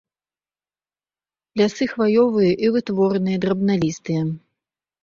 Лясы хваёвыя і вытворныя драбналістыя.